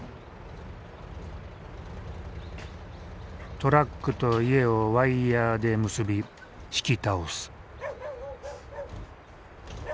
トラックと家をワイヤーで結び引き倒す。